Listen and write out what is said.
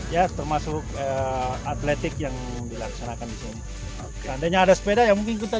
ya termasuk atletik yang dilaksanakan di sini seandainya ada sepeda ya mungkin kita